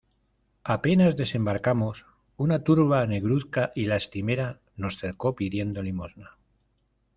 apenas desembarcamos, una turba negruzca y lastimera nos cercó pidiendo limosna.